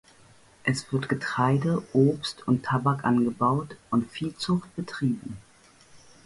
Es wird Getreide, Obst und Tabak angebaut und Viehzucht betrieben.